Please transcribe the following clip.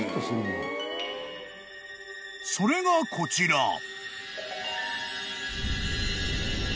［それがこちら］